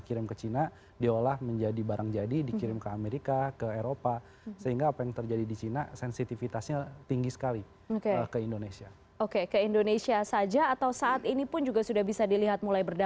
pemerintah juga menghentikan promosi wisata